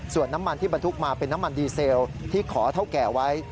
ส่วนน้ำมันที่บรรทุกมาเป็นน้ำมันดีเซลที่ขอเท่าแก่ไว้